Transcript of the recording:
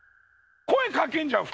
声かけるじゃん！